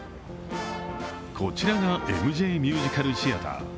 こちらがＭＪミュージカルシアター。